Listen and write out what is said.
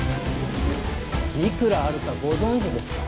いくらあるかご存じですか？